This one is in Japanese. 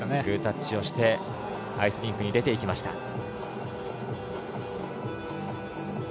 グータッチをしてアイスリンクに出ていきました。